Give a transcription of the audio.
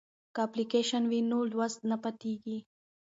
که اپلیکیشن وي نو لوست نه پاتیږي.